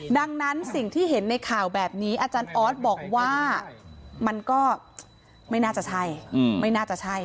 ดังนั้นสิ่งที่เห็นในข่าวแบบนี้อาจารย์ออสบอกว่ามันก็ไม่น่าจะใช่ไม่น่าจะใช่